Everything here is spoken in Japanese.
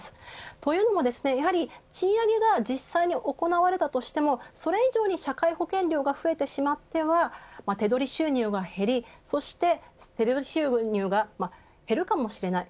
というのも賃上げが実際に行われたとしてもそれ以上に社会保険料が増えてしまっては手取り収入が減りそして手取り収入が減るかもしれない。